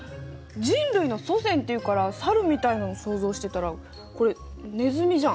人類の祖先っていうからサルみたいなの想像してたらこれネズミじゃん。